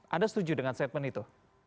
anda setuju dengan statement itu